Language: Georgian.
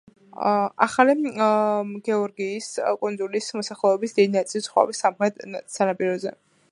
ახალი გეორგიის კუნძულის მოსახლეობის დიდი ნაწილი ცხოვრობს სამხრეთ სანაპიროზე.